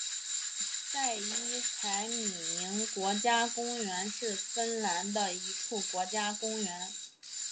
塞伊采米宁国家公园是芬兰的一处国家公园。